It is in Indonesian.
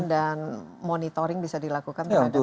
dan monitoring bisa dilakukan terhadap mereka